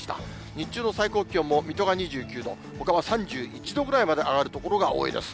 日中の最高気温も水戸が２９度、ほかは３１度ぐらいまで上がる所が多いです。